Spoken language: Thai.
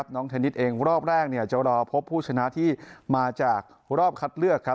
เทนนิสเองรอบแรกจะรอพบผู้ชนะที่มาจากรอบคัดเลือก